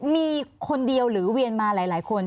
มีคนเดียวหรือเวียนมาหลายคน